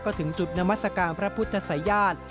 ก็ถึงจุดนามสการพระพุทธสายาท